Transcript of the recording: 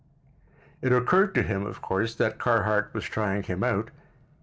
It occurred to him, of course, that Carhart was trying him out.